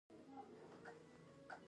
مصنوعي ځیرکتیا د کلتوري بدلون لامل ګرځي.